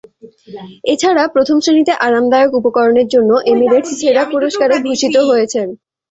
এ ছাড়া প্রথম শ্রেণিতে আরামদায়ক উপকরণের জন্য এমিরেটস্ সেরা পুরস্কারে ভূষিত হয়েছে।